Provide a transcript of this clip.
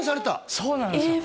そうなんですよ